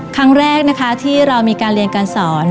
ครั้งแรกนะคะที่เรามีการเรียนการสอน